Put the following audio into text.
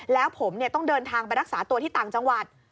แล้วผมต้องเดินทางไปรักษาตัวที่ต่างจังหวัด